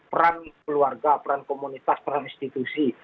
peran keluarga peran komunitas peran institusi